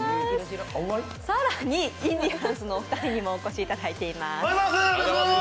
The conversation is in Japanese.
更にインディアンスのお二人にもお越しいただいています。